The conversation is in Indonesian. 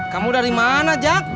kamu dari mana jak